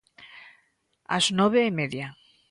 Ás nove e media.